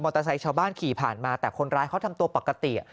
เตอร์ไซค์ชาวบ้านขี่ผ่านมาแต่คนร้ายเขาทำตัวปกติ